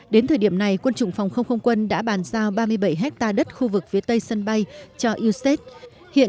để thực hiện dự án xử lý ô nhiễm